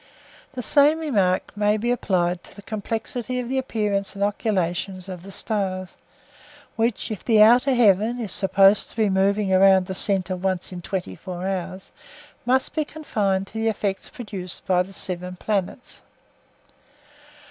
The same remark may be applied to the complexity of the appearances and occultations of the stars, which, if the outer heaven is supposed to be moving around the centre once in twenty four hours, must be confined to the effects produced by the seven planets.